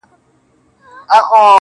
کاينات راڅه هېريږي ورځ تېرېږي.